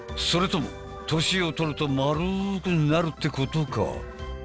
それとも年を取ると丸くなるってことか？